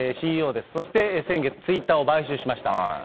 そして先月、ツイッターを買収しました。